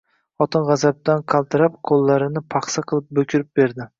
Xotin g`azabdan qaltirab, qo`llarini paxsa qilib bo`kirib berdi